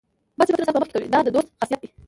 بد صفتونه ستاسو په مخ کې کوي دا د دوست خاصیت دی.